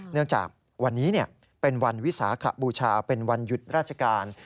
จากวันนี้เป็นวันวิสาขบูชาเป็นวันหยุดราชการ